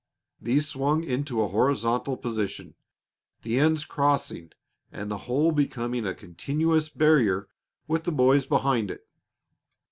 these swung into a horizontal position, the ends crossing and the whole becoming a continuous barrier with the boys behind it.